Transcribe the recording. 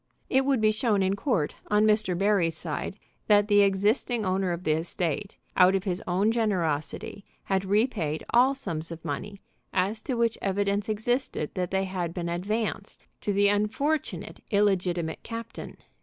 It would be shown in court, on Mr. Barry's side, that the existing owner of the estate, out of his own generosity, had repaid all sums of money as to which evidence existed that they had been advanced to the unfortunate illegitimate captain.